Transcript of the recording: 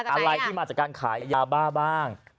อะไรที่มาจากการขายยาบ้าบ้าง